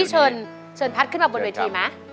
เชิญพัฒน์ขึ้นมาบนเวทีไหม